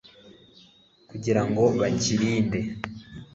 kugira ngo bakirinde